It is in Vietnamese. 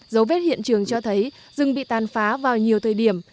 dấu vết hiện trường cho thấy rừng bị tàn phá vào nhiều thời điểm